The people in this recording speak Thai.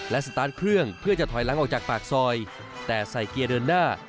และสตาร์ทเครื่องเพื่อจะถอยหลังออกจากปากซอยแต่ใส่เกียร์เดินหน้า